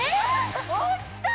落ちた！